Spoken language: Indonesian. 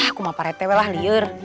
aku mah paretewe lah liar